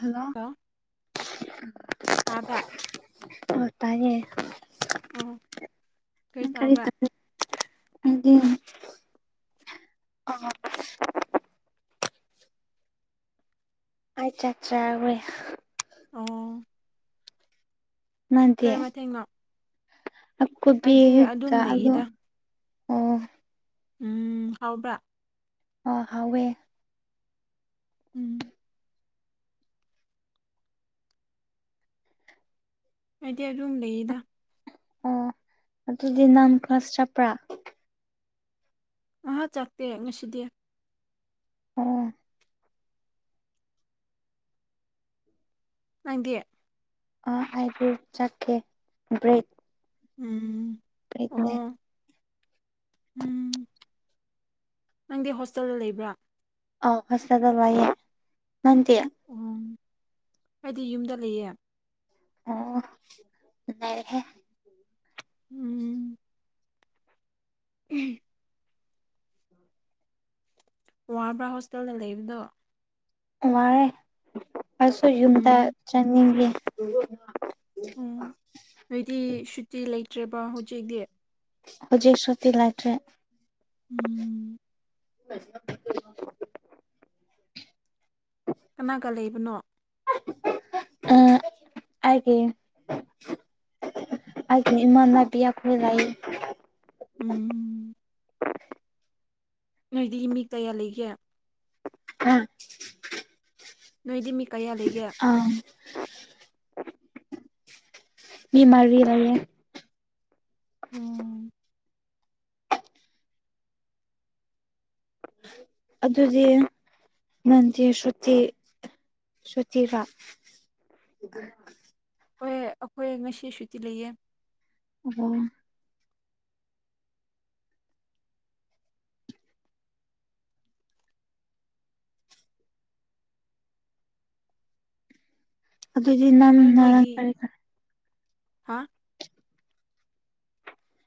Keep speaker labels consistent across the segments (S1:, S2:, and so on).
S1: hello
S2: ꯇꯥꯕꯔ
S1: ꯍꯣꯏ ꯇꯥꯏꯌꯦ
S2: ꯎꯝ
S1: ꯅꯪ ꯀꯔꯤ ꯇꯧꯔꯤ ꯅꯪꯗꯤ ꯑꯩ ꯆꯥꯛ ꯆꯥꯔꯤ
S2: ꯑꯣ ꯀꯔꯤ ꯃꯊꯦꯡꯅꯣ
S1: ꯑ ꯀꯣꯄꯤꯉꯛ
S2: ꯑꯗꯨꯝ
S1: ꯇꯥꯛꯑꯒ
S2: ꯂꯩꯌꯦꯗ
S1: ꯑꯣ [inaudible]
S2: ꯎꯝ ꯍꯥꯎꯕ꯭ꯔ
S1: ꯑ ꯍꯥꯎꯋꯦ
S2: ꯎꯝ ꯑꯩꯗꯤ ꯑꯗꯨꯝ ꯂꯩꯌꯦꯗ
S1: ꯑꯣ ꯑꯗꯨꯗꯤ ꯅꯪ ꯀ꯭ꯂꯥꯁ ꯆꯠꯄ꯭ꯔꯥ
S2: ꯑꯍꯥ ꯆꯥꯠꯇꯦ ꯉꯁꯤꯗꯤ
S1: ꯑꯣ
S2: ꯅꯪꯗꯤ
S1: ꯑ ꯑꯩꯕꯨ ꯆꯠꯀꯦ ꯕ꯭ꯔꯦꯛ
S2: ꯎꯝ
S1: ꯄ꯭ꯔꯦꯛ ꯅꯦ
S2: ꯑꯣ ꯎꯝ ꯅꯪꯗꯤ ꯍꯣꯁꯇꯦꯜꯗ ꯂꯩꯕ꯭ꯔꯥ
S1: ꯑꯥꯎ ꯍꯣꯁꯇꯦꯜꯗ ꯂꯩꯌꯦ ꯅꯪꯇꯤ
S2: ꯎꯝ ꯑꯩꯗꯤ ꯌꯨꯝꯗ ꯂꯩꯌꯦ
S1: ꯑꯣ ꯅꯨꯡꯉꯥꯢꯍꯦ
S2: ꯎꯝ ꯋꯥꯕ꯭ꯔꯥ ꯍꯣꯁꯇꯦꯜꯗ ꯂꯩꯕꯗꯣ
S1: ꯋꯥꯔꯦ ꯑꯩꯁꯨ ꯌꯨꯝꯗ
S2: ꯎꯝ
S1: ꯆꯠꯅꯤꯡꯉꯦ
S2: ꯎꯝ ꯅꯣꯏꯗꯤ ꯁꯨꯇꯤ ꯂꯩꯇ꯭ꯔꯦꯕ ꯍꯧꯖꯤꯛꯇꯤ
S1: ꯍꯧꯖꯤꯛ ꯁꯨꯇꯤ ꯂꯩꯇ꯭ꯔꯦ
S2: ꯎꯝ
S1: [unintelligible]
S2: ꯀꯅꯥꯒ ꯂꯩꯕꯅꯣ
S1: ꯑꯥ ꯑꯩꯒꯤ ꯑꯩꯒꯤ ꯏꯃꯥꯟꯅꯕꯤ ꯑꯈꯣꯏ ꯂꯩꯌꯦ
S2: ꯎꯝ ꯅꯣꯏꯗꯤ ꯃꯤ ꯀꯌꯥ ꯂꯩꯒꯦ
S1: ꯑ [inaudible]
S2: ꯅꯣꯏꯗꯤ ꯃꯤ ꯀꯌꯥ ꯂꯩꯒꯦ
S1: ꯑ ꯃꯤ ꯃꯔꯤ ꯂꯩꯌꯦ
S2: ꯑꯝ
S1: ꯑꯗꯨꯗꯤ ꯅꯪꯗꯤ ꯁꯨꯇꯤ ꯁꯨꯇꯤ ꯚ
S2: ꯍꯣꯏꯌꯦ ꯑꯩꯈꯣꯏ ꯉꯁꯤ ꯁꯨꯇꯤ ꯂꯩꯌꯦ
S1: ꯑꯣ ꯑꯗꯨꯗꯤ ꯅꯪ
S2: ꯑꯗꯨ
S1: ꯅꯔꯥꯡ
S2: ꯅꯣꯏꯒꯤ
S1: ꯀꯔꯤ ꯀꯔꯥ
S2: ꯍꯥ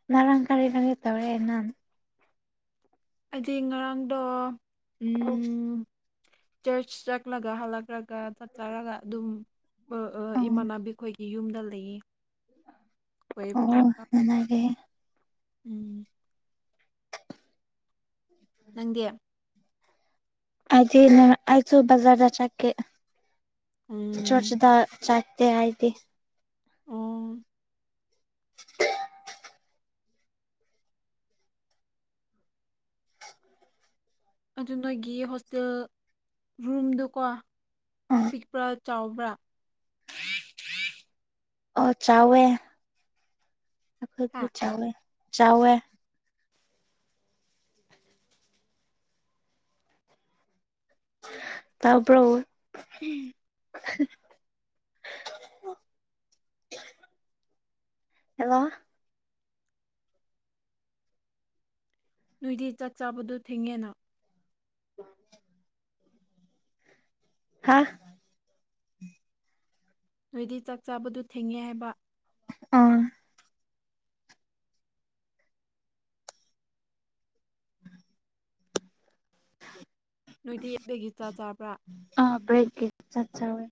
S1: ꯉꯔꯥꯡ ꯀꯔꯤ ꯀꯔꯤ ꯇꯧꯌꯦ ꯅꯪ
S2: ꯑꯩꯗꯤ ꯉꯔꯥꯡꯗꯣ ꯎ ꯆꯔꯆ ꯆꯠꯂꯒ ꯍꯜꯂꯛꯂꯒ ꯆꯥꯛ ꯆꯥꯔꯒ ꯑꯗꯨꯝ
S1: ꯑꯣ
S2: ꯏꯃꯥꯟꯅꯕꯤꯈꯣꯏꯒꯤ ꯌꯨꯝꯗ ꯂꯩꯌꯦ ꯀꯣꯏꯕ
S1: ꯑꯣ
S2: ꯆꯠꯄ ꯑꯩꯈꯣꯏ
S1: ꯆꯒꯦ
S2: ꯎꯝ
S1: [inaudible]
S2: ꯅꯪꯗꯤꯦ
S1: ꯑꯗꯤ ꯏ ꯑꯁꯨ ꯖꯥꯗ ꯆꯦ
S2: ꯎꯝ
S1: ꯆꯔꯆꯗ ꯆꯥꯇ ꯍꯥꯏꯥꯏꯗꯤ
S2: ꯑꯣ
S1: [inaudible]
S2: ꯑꯗꯨ ꯅꯣꯏꯒꯤ ꯍꯣꯁꯇꯦꯜ ꯔꯨꯝꯗꯣꯀꯣ
S1: ꯑꯣ
S2: ꯄꯤꯛꯄ꯭ꯔꯥ ꯆꯥꯎꯕ꯭ꯔꯥ
S1: ꯑꯣ ꯆꯥꯎꯋꯦ
S2: ꯍꯥ
S1: ꯑꯩꯈꯣꯏꯗꯤ ꯆꯥꯎꯋꯦ ꯆꯥꯎꯋꯦ ꯇꯥꯕ꯭ꯔꯣ ꯍꯦꯜꯂꯣ
S2: ꯅꯣꯏꯗꯤ ꯆꯥꯛ ꯆꯥꯕꯗꯣ ꯊꯦꯡꯉꯦꯅ
S1: [inaudible] ꯍꯥꯥ
S2: ꯅꯣꯢꯒꯤ ꯆꯥꯛ ꯆꯥꯕꯗꯨ ꯊꯦꯡꯉꯦ ꯍꯥꯏꯕ
S1: ꯑꯝ
S2: ꯅꯣꯏꯗꯤ ꯀꯔꯤꯒꯤ ꯆꯥ ꯆꯥꯕ꯭ꯔꯥ
S1: ꯑꯥ ꯕꯔꯦꯛ ꯆꯥꯛ ꯆꯥꯢꯌꯦ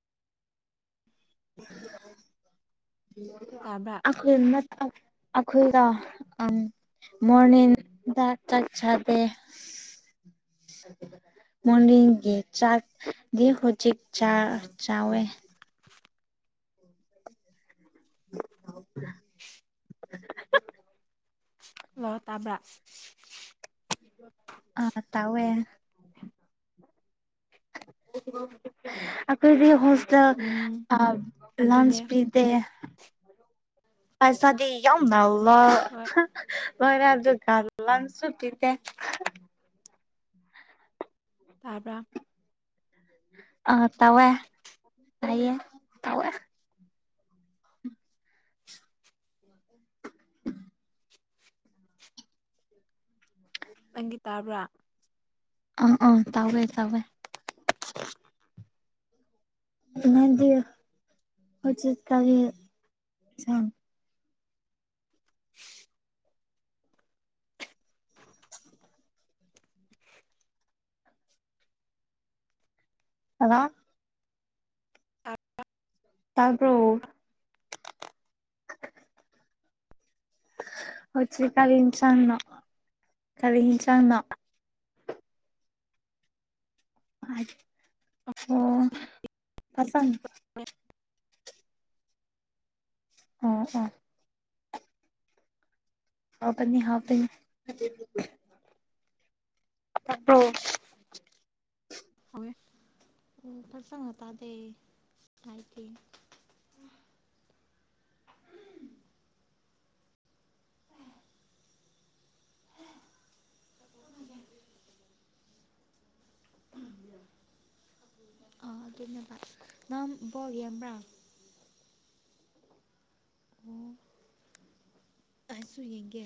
S2: ꯇꯥꯕ꯭ꯔꯥ
S1: ꯑ ꯑꯩꯈꯣꯏ ꯑꯩꯈꯣꯏꯗ ꯑ ꯃꯣꯔꯅꯤꯦꯟ ꯗ ꯆꯥꯛ ꯆꯗꯦ ꯃꯟꯗꯤꯒꯤ ꯆꯥꯛꯒꯤ ꯍꯧꯖꯤꯛ ꯆꯥ ꯆꯋꯦ
S2: [inaudible]
S1: [inaudible]
S2: ꯂ ꯇꯥꯕ꯭ꯔꯥ
S1: ꯑ ꯇꯋꯦ ꯑꯩꯈꯣꯏꯗꯤ ꯍꯣꯁꯗ
S2: ꯎꯝ
S1: ꯑ
S2: ꯑꯗꯨꯅꯦ
S1: ꯂꯥꯟꯆ ꯄ ꯄꯁꯥꯗꯤ ꯌꯥꯎ ꯅꯂ
S2: ꯍꯣꯏ
S1: ꯈꯣꯏꯔꯦ ꯑꯗꯨ ꯑꯗꯨ ꯜ ꯂꯅꯁꯨꯇꯤꯗ
S2: ꯇꯥꯕ꯭ꯔꯥ
S1: ꯑ ꯇꯧꯦ ꯁꯦ
S2: ꯅꯪꯒꯤ ꯇꯥꯕ꯭ꯔꯥ
S1: ꯑꯪ ꯑ ꯇꯧꯋꯦ ꯇꯧꯋꯦ ꯑꯗꯨꯗꯤ ꯍꯧ ꯎꯆꯠ ꯀꯔꯤꯒꯤ ꯁ ꯑꯂ
S2: ꯑ
S1: ꯇꯄ꯭ꯔꯣ ꯍꯖꯤꯤ ꯀꯔꯤ ꯆꯥꯡꯅꯣ ꯀꯔꯤꯍꯤ ꯆꯥꯡꯅꯣ ꯑꯣ ꯐꯁ ꯎꯥ ꯎꯥ ꯍꯥꯥꯎꯄꯅꯤ ꯍꯥꯥꯎꯄꯅꯤ ꯍ
S2: ꯍꯋꯦ
S1: ꯑꯣ ꯐꯁꯪꯇꯥꯗꯦ ꯀꯥꯏ ꯀ ꯑ ꯅꯕ ꯅꯪ ꯕꯣꯒꯤꯕ꯭ꯔꯥ ꯑꯣ ꯑꯁꯁꯨꯏꯒꯦ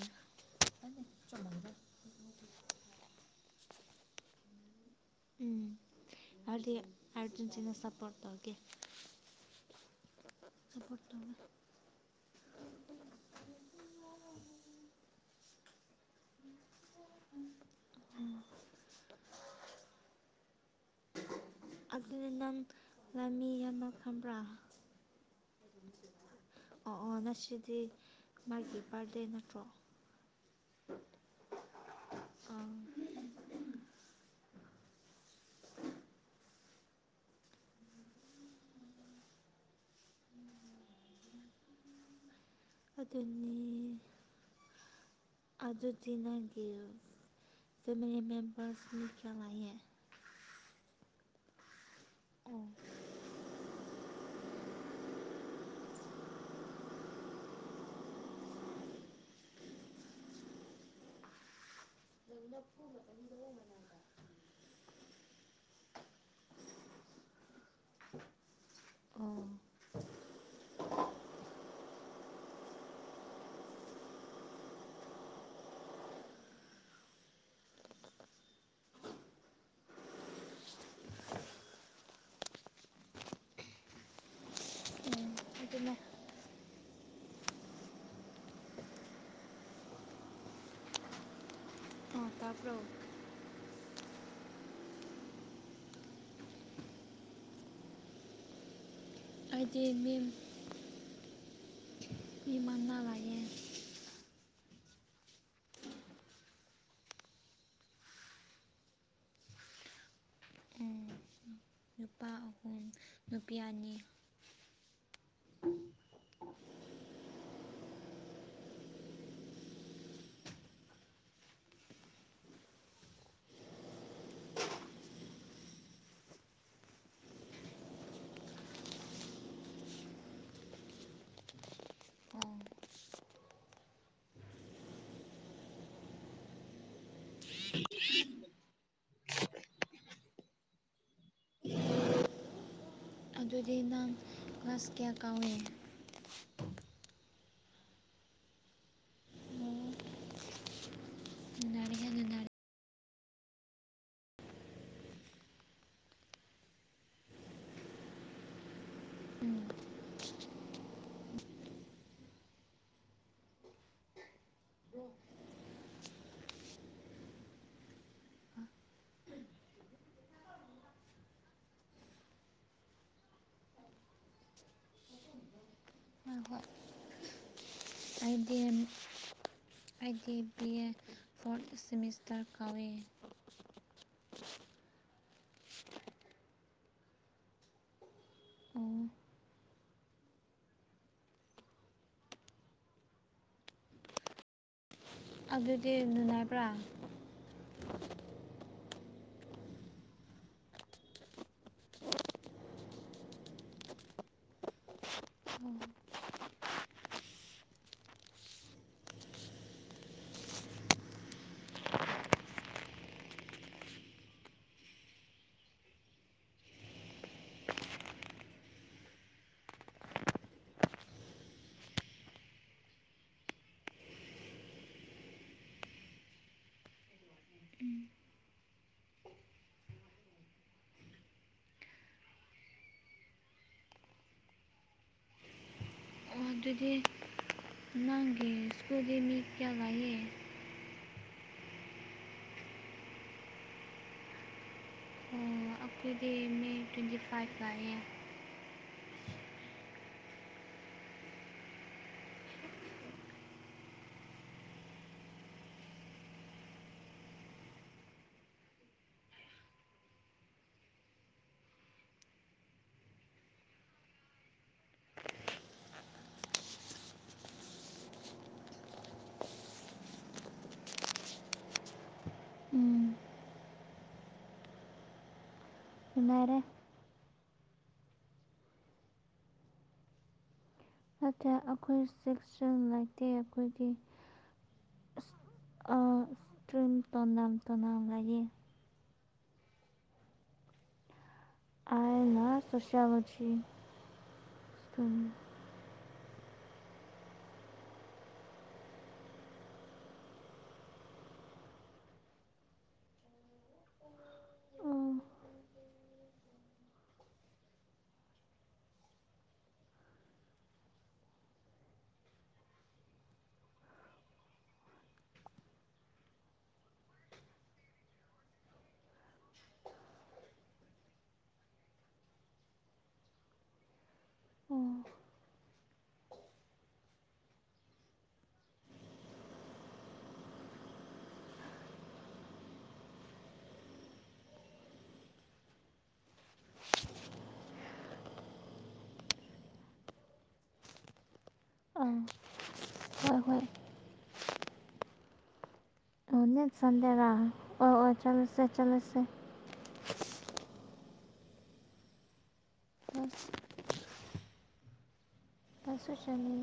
S1: ꯎꯝ ꯍꯥꯏꯗꯤ ꯑꯔꯖꯦꯟꯁꯤꯅ ꯁꯄꯣꯔ ꯇꯧꯒꯦ ꯆꯄꯣꯔ ꯇ ꯎꯝ ꯑꯗꯨ ꯅꯪ ꯂꯃꯤ ꯑꯃ ꯈꯕ꯭ꯔꯥ ꯑꯣ ꯑꯣ ꯉꯁꯤꯗꯤ ꯃꯥꯒꯤ ꯕꯥꯔꯗꯦ ꯅꯠꯇ꯭ꯔꯣ ꯑ ꯑꯗꯨꯅꯤ ꯑꯗꯗꯤꯅꯒꯤ ꯐꯦꯃꯤꯂꯤ ꯃꯦꯝꯕꯔꯁ ꯃꯤ ꯆꯃꯥꯏꯦ ꯑꯣ ꯂꯅ ꯐꯨꯕ ꯃꯇꯝꯗ ꯍꯣꯡꯕꯅꯗ ꯑꯣ ꯑꯦ ꯑꯗꯨꯅ ꯑꯥ ꯇꯥꯕ꯭ꯔꯣ ꯍꯥꯏꯗꯤ ꯃꯦꯝ ꯏꯃꯥꯟꯅ ꯂꯥꯏꯑꯦ ꯎꯝ ꯅꯨꯄꯥ ꯑꯍꯨꯝ ꯅꯨꯄꯤ ꯑꯅꯤ ꯑꯣ [unintelligible] ꯑꯗꯨꯗꯤ ꯅꯪ ꯀ꯭ꯂꯥꯁ ꯀꯌꯥ ꯀꯥꯎꯏꯦ ꯅꯨꯡꯉꯥꯏꯔꯦ ꯍꯦ ꯅꯨꯡꯉꯥꯏꯔꯦ ꯑ ꯍꯣ ꯑꯩꯗꯤꯦꯝ ꯑꯩꯒꯤ ꯕꯤ ꯑꯦ ꯐꯣꯔꯠ ꯁꯤꯦꯃꯤꯁꯇꯔ ꯀꯧꯏ ꯑꯣ ꯑꯗꯨꯗꯤ ꯅꯨꯡꯉꯥꯏꯕ꯭ꯔꯥ ꯑꯣ ꯑꯗꯨꯗꯤ ꯅꯪꯒꯤ ꯁ꯭ꯀꯨꯜꯗꯤ ꯃꯤ ꯀꯌꯥ ꯂꯌꯦ ꯑꯄꯤꯣꯏꯒꯤ ꯃ ꯇ꯭ꯋꯦꯟꯇꯤ ꯐꯥꯏꯕ ꯂꯏ ꯎꯝ ꯔꯦ ꯅꯠꯇꯦ ꯑꯩꯈꯣꯏ ꯆꯦꯛ ꯆ ꯂꯩꯇꯦ ꯑꯩꯈꯣꯏꯒꯤ ꯑꯥ ꯇ꯭ꯔꯔꯤꯦꯟ ꯇꯅꯥꯝ ꯇꯅꯥꯝ ꯂ ꯑ ꯑꯥꯁ ꯑꯁꯥꯕꯕꯁꯤ ꯑꯥ ꯍꯣꯏ ꯍꯣꯏ ꯑꯣ ꯅꯠ ꯁꯟꯗꯦꯔ ꯑꯣ ꯑꯣ ꯆꯂꯁꯦ ꯆꯂꯁꯦ ꯄꯁꯨꯨꯁꯅꯤ